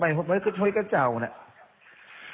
ฝั่งว่าไปบ้านเฮ้ยกระเจ้าเนี่ย